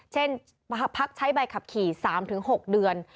เช่นพักใช้ใบขับขี่๓๖เดือน